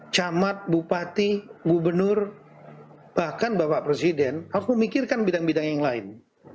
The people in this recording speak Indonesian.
camat bupati gubernur bahkan bapak presiden harus memikirkan bidang bidang yang lain